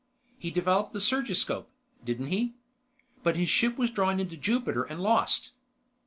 "He developed the surgiscope, didn't he? But his ship was drawn into Jupiter and lost."